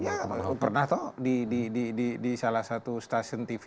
ya pernah tahu di salah satu stasiun tv